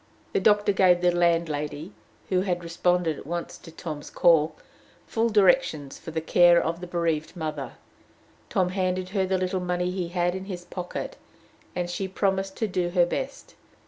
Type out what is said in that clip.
The doctor gave the landlady, who had responded at once to Tom's call, full directions for the care of the bereaved mother; Tom handed her the little money he had in his pocket, and she promised to do her best.